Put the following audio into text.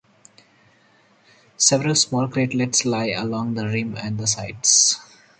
Several small craterlets lie along the rim and the sides.